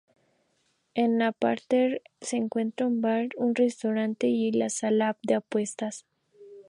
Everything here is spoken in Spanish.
En el parterre se encuentran un bar, un restaurante y la sala de apuestas.